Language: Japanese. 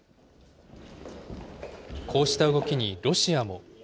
こうした動きにロシアも。